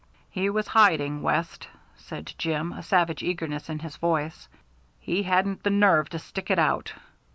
"He was hiding, West," said Jim, a savage eagerness in his voice. "He hadn't the nerve to stick it out.